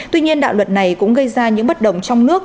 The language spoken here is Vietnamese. tuy nhiên đạo luật này cũng gây ra những bất đồng trong nước